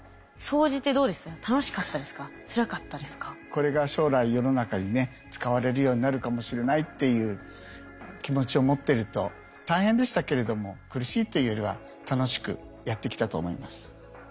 これが将来世の中にね使われるようになるかもしれないっていう気持ちを持ってると大変でしたけれども苦しいというよりは楽しくやってきたと思います。